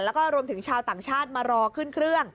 แล้วก็รวมถึงชาวต่างชาติมารอขึ้นเครื่อง